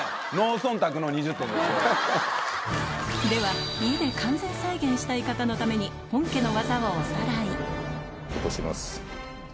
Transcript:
では家で完全再現したい方のために本家の技をおさらい落とします。